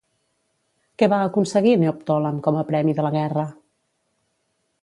Què va aconseguir Neoptòlem com a premi de la guerra?